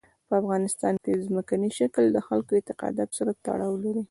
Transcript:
په افغانستان کې ځمکنی شکل د خلکو اعتقاداتو سره تړاو لري.